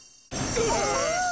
うわ。